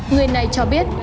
người này cho biết